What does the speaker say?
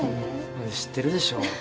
知ってるでしょ？